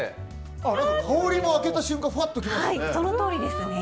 香りも開けた瞬間ふわっと来ますね。